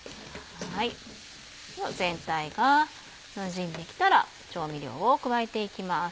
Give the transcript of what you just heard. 全体がなじんできたら調味料を加えていきます。